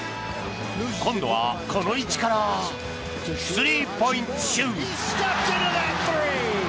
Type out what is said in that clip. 今度はこの位置からスリーポイントシュート。